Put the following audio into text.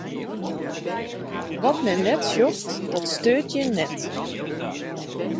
Wat men net sjocht, dat steurt jin net.